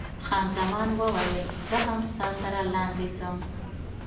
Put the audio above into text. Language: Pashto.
خان زمان وویل، زه هم ستا سره لاندې ځم.